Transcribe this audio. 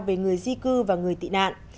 về người di cư và người tị nạn